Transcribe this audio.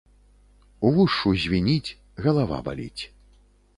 Увушшу звініць, галава баліць.